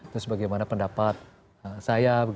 terus bagaimana pendapat saya